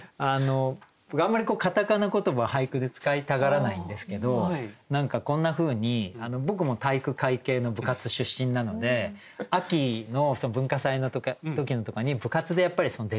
僕あんまり片仮名言葉俳句で使いたがらないんですけど何かこんなふうに僕も体育会系の部活出身なので秋の文化祭の時とかに部活でやっぱり出店を出すんですよね。